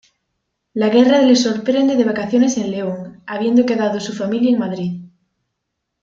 La Guerra le sorprende de vacaciones en León, habiendo quedado su familia en Madrid.